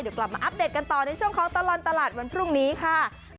เดี๋ยวกลับมาอัปเดตกันต่อในช่วงของตลอดตลาดวันพรุ่งนี้ค่ะ